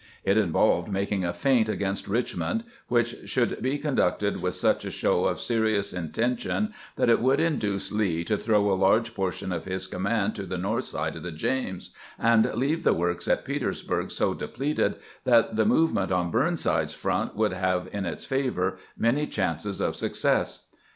It involved making a feint against Richmond, which should be conducted with such a show of serious inten tion that it would induce Lee to throw a large portion of his command to the north side of the James, and leave the works at Petersburg so depleted that the move ment on Burnside's front would have in its favor many chances of success.